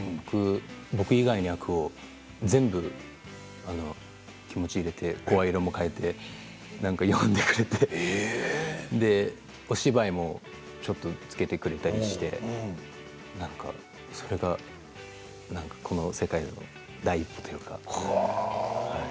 僕以外の役を全部気持ち入れて声色も変えて読んでくれてお芝居もちょっとつけてくれたりしてこれがこの世界の第一歩というか。